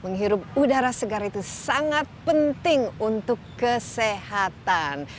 menghirup udara segar itu sangat penting untuk kesehatan